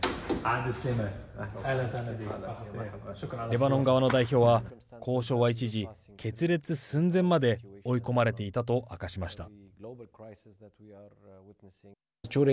レバノン側の代表は交渉は一時決裂寸前まで追い込まれていたと明かしました。